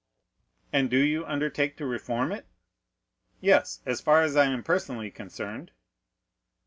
"And do you undertake to reform it?" "Yes, as far as I am personally concerned."